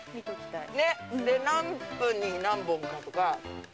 ねっ何分に何本かとか。